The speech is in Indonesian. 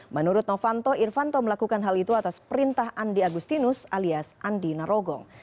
menurut novanto irfanto melakukan hal itu atas perintah andi agustinus alias andi narogong